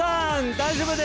大丈夫ですよ